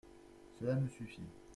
Cela nous suffit.